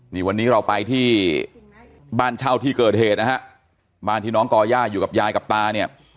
นี่วันนี้เราไปที่บ้านเช่าที่เกิดเหตุนะฮะบ้านที่น้องก่อย่าอยู่กับยายกับตาเนี่ย